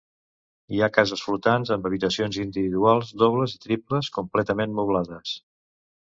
Hi ha cases flotants amb habitacions individuals, dobles i triples completament moblades.